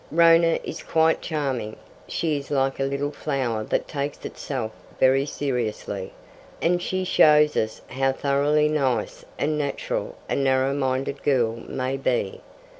Rhona is quite charming; she is like a little flower that takes itself very seriously, and she shows us how thoroughly nice and natural a narrow minded girl may be.